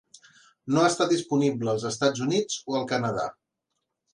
No està disponible als Estats Units o al Canadà.